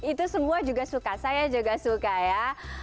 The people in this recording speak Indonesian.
itu semua juga suka saya juga suka ya